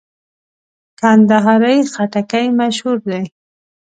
کندهاري خټکی مشهور دی.